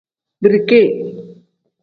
Birike.